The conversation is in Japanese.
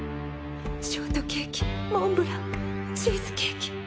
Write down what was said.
ショートケーキモンブランチーズケーキ